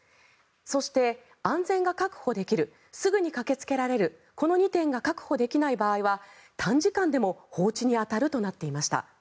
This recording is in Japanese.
そして、安全が確保できるすぐに駆けつけられるこの２点が確保できない場合は短時間でも放置に当たるとなっていました。